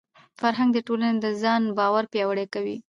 فرهنګ د ټولني د ځان باور پیاوړی کوي.